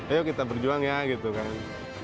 ayo kita berjuang ya gitu kan